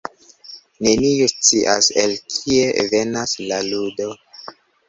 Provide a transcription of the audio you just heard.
Neniu scias el kie venas La Ludo.